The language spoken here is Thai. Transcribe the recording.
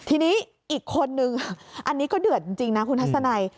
ทีนี้อีกคนนึงอันนี้ก็เดือดจริงนะคุณทัศนัย